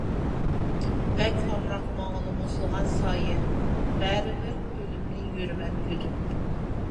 بەك ئامراق ماڭىلا مۇزلىغان سايە، بەرىبىر ئۆلۈمنى يۈرىمەن يۈدۈپ.